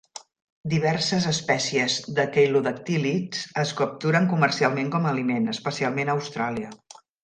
Diverses espècies de queilodactílids es capturen comercialment com a aliment, especialment a Austràlia.